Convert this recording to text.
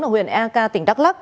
ở huyện eka tỉnh đắk lắc